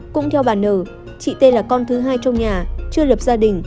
chị n chưa lập nhà chưa lập gia đình